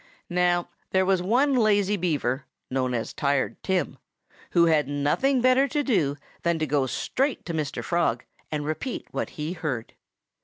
Now, there was one lazy Beaver known as Tired Tim who had nothing better to do than to go straight to Mr. Frog and repeat what he heard.